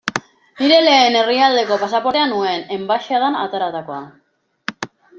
Lehen nire herrialdeko pasaportea nuen, enbaxadan ateratakoa.